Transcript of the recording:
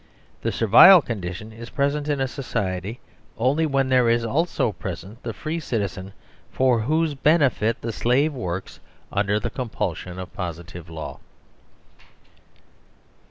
The servile condition is present in society only when there is also present the free citizen for whose bene fit the slave works under the compulsion of positive law.